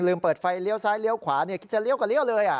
เปิดไฟเลี้ยวซ้ายเลี้ยวขวาคิดจะเลี้ยก็เลี้ยวเลย